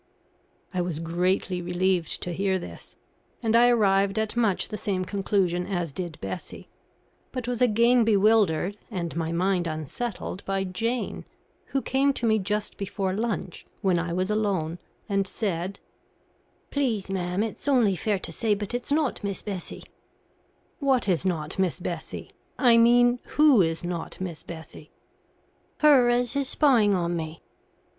I was greatly relieved to hear this, and I arrived at much the same conclusion as did Bessie, but was again bewildered, and my mind unsettled by Jane, who came to me just before lunch, when I was alone, and said "Please, ma'am, it's only fair to say, but it's not Miss Bessie." "What is not Miss Bessie? I mean, who is not Miss Bessie?" "Her as is spying on me."